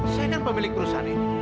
saya kan pemilik perusahaan ini